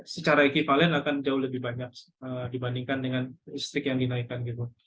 secara ekivalen akan jauh lebih banyak dibandingkan dengan listrik yang dinaikkan gitu